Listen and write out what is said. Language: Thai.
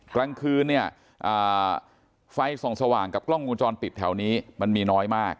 ครั้งคืนไฟส่องสว่างกับกล้องมูลจรติดแถวนี้มันมีน้อยมาก